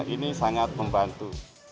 ini sangat membantu